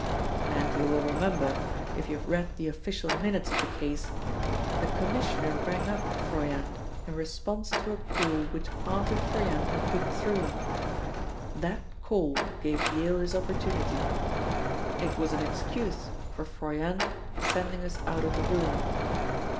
"And you will remember, if you have read the official minutes of the case, the Commissioner rang up Froyant in response to a call which Harvey Froyant had put through. That call gave Yale his opportunity. It was an excuse for Froyant sending us out of the room.